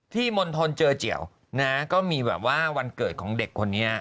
มณฑลเจอเจียวนะก็มีแบบว่าวันเกิดของเด็กคนนี้